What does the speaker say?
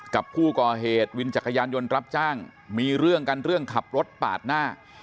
กับผู้ก่อเหตุวินจักรยานยนต์รับจ้างมีเรื่องกันเรื่องขับรถปาดหน้า